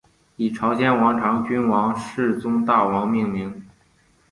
以朝鲜王朝君王世宗大王命名。